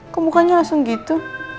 kok bukannya langsung gitu